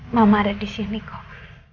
mama ada disini kok